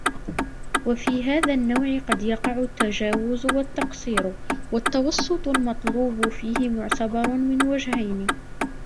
وَفِي هَذَا النَّوْعِ قَدْ يَقَعُ التَّجَاوُزُ وَالتَّقْصِيرُ وَالتَّوَسُّطُ الْمَطْلُوبُ فِيهِ مُعْتَبَرٌ مِنْ وَجْهَيْنِ